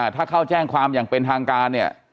ถ้าเข้าแจ้งความอย่างเป็นทางการเนี่ย